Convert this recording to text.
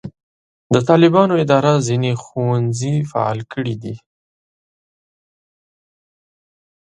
د طالبانو اداره ځینې ښوونځي فعاله کړي دي.